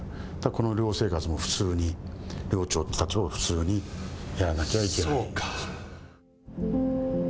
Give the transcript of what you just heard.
この寮生活も普通に寮長って立場を普通にやらなきゃいけない。